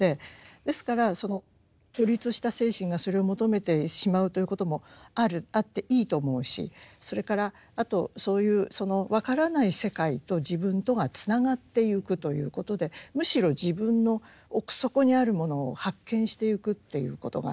ですからその孤立した精神がそれを求めてしまうということもあるあっていいと思うしそれからあとそういうその分からない世界と自分とがつながってゆくということでむしろ自分の奥底にあるものを発見してゆくということがあると思うんです。